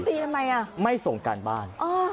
แต่ไม่ส่งการบ้าน